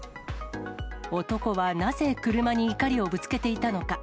男はなぜ車に怒りをぶつけていたのか。